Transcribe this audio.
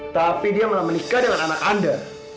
tapi dia malah menikah dengan anak anda